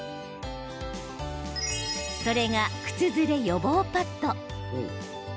それが、靴ずれ予防パッド。